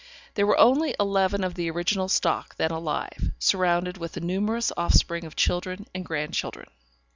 There were only eleven of the original stock then alive, surrounded with a numerous offspring of children and grandchildren.